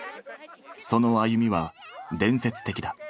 その歩みは伝説的だ。